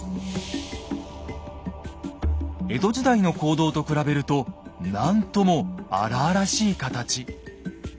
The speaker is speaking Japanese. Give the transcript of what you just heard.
江戸時代の坑道と比べるとなんとも荒々しい形。